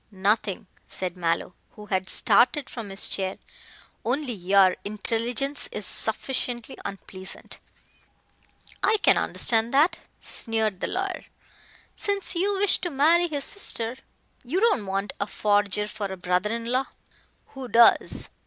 "Nothing," said Mallow, who had started from his chair, "only your intelligence is sufficiently unpleasant." "I can understand that," sneered the lawyer, "since you wish to marry his sister. You don't want a forger for a brother in law." "Who does?"